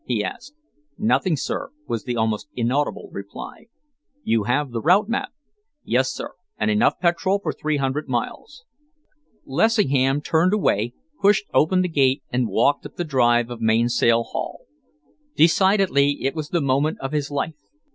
he asked. "Nothing, sir," was the almost inaudible reply. "You have the route map?" "Yes, sir, and enough petrol for three hundred miles." Lessingham turned away, pushed open the gate, and walked up the drive of Mainsail Haul. Decidedly it was the moment of his life.